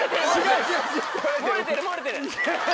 漏れてる漏れてる。